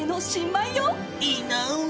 いいなあ。